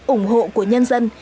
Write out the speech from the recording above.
ủng hộ của nhân dân